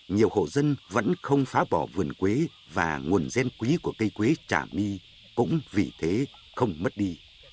nhiều hộ dân vẫn không phá bỏ vườn quế và nguồn gen quý của cây quế trà my cũng vì thế không mất đi